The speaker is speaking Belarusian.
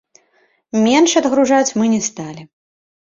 Менш адгружаць мы не сталі.